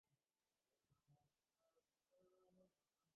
অতিক্ষুদ্র জীবকোষেও সেই অনন্ত পূর্ণব্রহ্মই অন্তর্নিহিত।